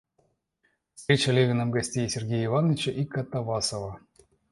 Встреча Левиным гостей — Сергея Ивановича и Катавасова.